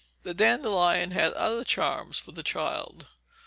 The dandelion had other charms for the child.